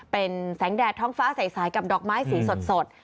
เป็นแสงแดดท้องฟ้าใสกับดอกไม้สีสด